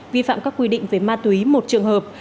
vi phạm các quy định về ma túy một trường hợp